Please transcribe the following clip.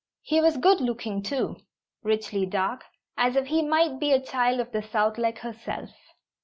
He was good looking, too; richly dark, as if he might be a child of the south, like herself.